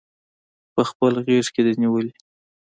پخپل غیږ کې دی نیولي